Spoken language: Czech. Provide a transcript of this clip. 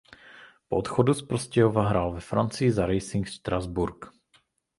Po odchodu z Prostějova hrál ve Francii za Racing Strasbourg.